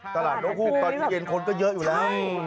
นกฮูกตอนเย็นคนก็เยอะอยู่แล้ว